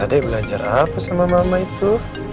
ada yang belajar apa sama mama itu